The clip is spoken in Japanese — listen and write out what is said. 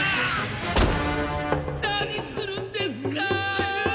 何するんですか？